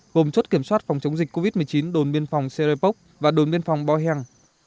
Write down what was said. vùng chốt kiểm soát phòng chống dịch covid một mươi chín đồn biên phòng serebok và đồn biên phòng boi heng